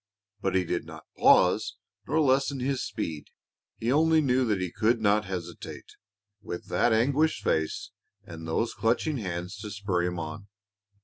But he did not pause nor lessen his speed. He only knew that he could not hesitate, with that anguished face and those clutching hands to spur him on.